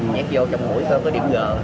nhét vô trong mũi có điểm g